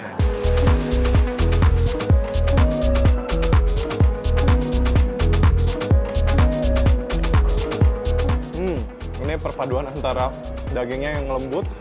hmm ini perpaduan antara dagingnya yang lembut